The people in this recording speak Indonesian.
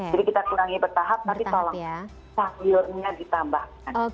jadi kita kurangi bertahap tapi tolong sayurnya ditambahkan